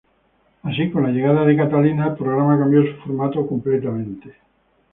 Así, con la llegada de Catalina el programa cambió su formato completamente.